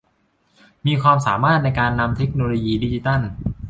มีความสามารถในการนำเทคโนโลยีดิจิทัล